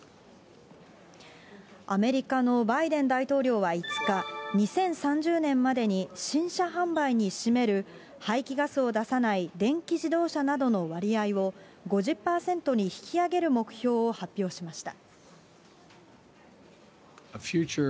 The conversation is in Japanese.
アメリカのバイデン大統領は５日、２０３０年までに、新車販売に占める排気ガスを出さない電気自動車などの割合を、５０％に引き上げる目標を発表しました。